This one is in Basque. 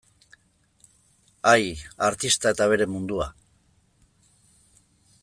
Ai, artista eta bere mundua.